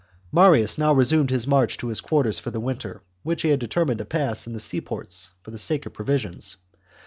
Marius now resumed his march to his quarters for chap. the winter, which he had determined to pass in the seaports, for the sake of provisions.